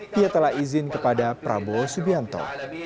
dia telah izin kepada prabowo subianto